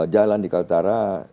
jalan di kaltara